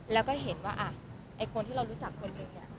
แล้วก็เห็นว่าไอ้คนที่เรารู้จักคนหนึ่งเนี่ย